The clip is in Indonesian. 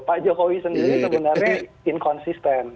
pak jokowi sendiri sebenarnya inkonsisten